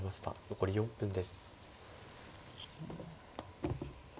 残り４分です。